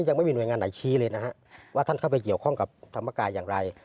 ยังไม่มีหน่วยงานไหนชี้เลยนะฮะว่าท่านเข้าไปเกี่ยวข้องกับธรรมกายอย่างไร